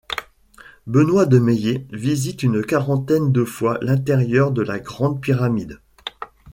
Benoit de Maillet visite une quarantaine de fois l'intérieur de la grande Pyramide.